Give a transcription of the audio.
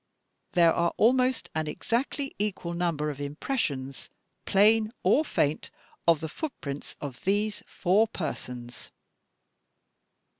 "There are almost an exactly equal number of impressions, plain or faint, of the footprints of these four persons.